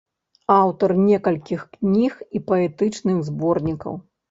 Аўтар некалькіх кніг і паэтычных зборнікаў.